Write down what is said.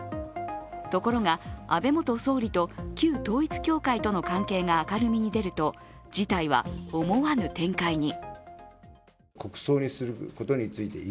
ところが、安倍元総理と旧統一教会との関係が明るみに出ると事態は思わぬ展開に。